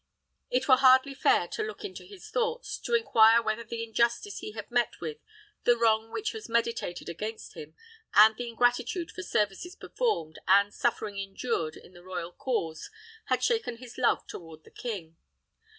It were hardly fair to look into his thoughts, to inquire whether the injustice he had met with, the wrong which was meditated against him, and the ingratitude for services performed and suffering endured in the royal cause had shaken his love toward the king.